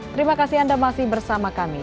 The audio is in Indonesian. terima kasih anda masih bersama kami